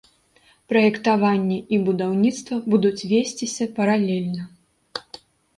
Праектаванне і будаўніцтва будуць весціся паралельна.